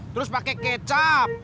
terus pake kecap